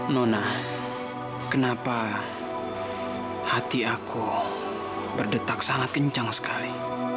nona kenapa hati aku berdetak sangat kencang sekali